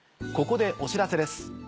ここでお知らせです。